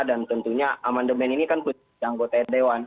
dan tentunya amandemen ini kan pun dianggota dewan